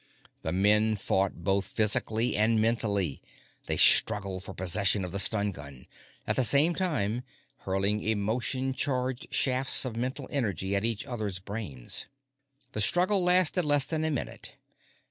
The men fought both physically and mentally. They struggled for possession of the stun gun, at the same time hurling emotion charged shafts of mental energy at each other's brains. The struggle lasted less than a minute.